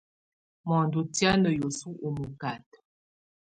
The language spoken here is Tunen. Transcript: Mɔndɔ tɛ̀á ná hiɔsɔ u mɔkata.